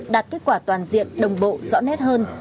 đạt kết quả toàn diện đồng bộ rõ nét hơn